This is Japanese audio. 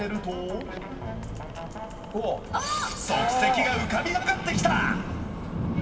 足跡が浮かび上がってきた！